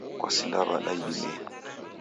Kwasinda w'ada idimei?